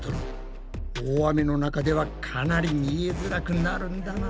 大雨の中ではかなり見えづらくなるんだな。